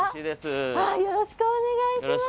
よろしくお願いします。